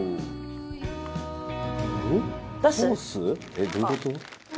えっどういう事？」